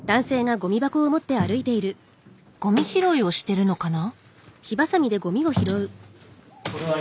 ゴミ拾いをしてるのかな？